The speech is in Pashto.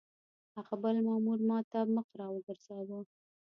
هغه بل مامور ما ته مخ را وګرځاوه.